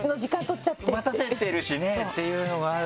待たせてるしねっていうのがあるから。